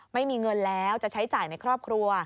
ไม่มีเงินแล้วจะใช้จ่ายในครอบครัว